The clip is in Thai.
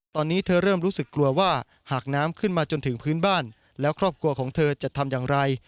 ตอนนี้เธอเริ่มรู้สึกกลัวว่าหากน้ำขึ้นมาจนถึงพื้นบ้านแล้วครอบครัวของเธอจะทำอย่างไร